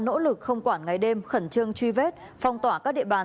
nỗ lực không quản ngày đêm khẩn trương truy vết phong tỏa các địa bàn